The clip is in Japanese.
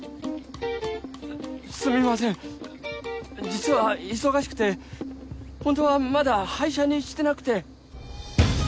すみません実は忙しくて本当はまだ廃車にしてなくて。